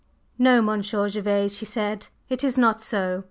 "No, Monsieur Gervase," she said, "it is not so.